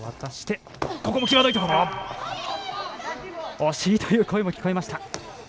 惜しいという声も聞こえました。